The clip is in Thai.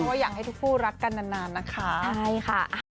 เพราะอยากให้ทุกคู่รักกันนานนะคะ